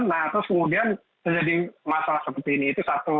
nah terus kemudian terjadi masalah seperti ini itu satu